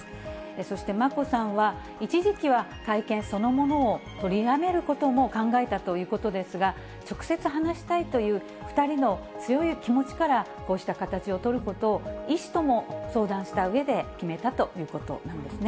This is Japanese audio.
そして眞子さんは、一時期は会見そのものを取りやめることも考えたということですが、直接話したいという２人の強い気持ちから、こうした形を取ることを、医師とも相談したうえで、決めたということなんですね。